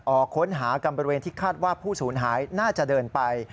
ออกค้นหากันบริเวณที่คาดว่าผู้สูญหายน่าจะเดินไป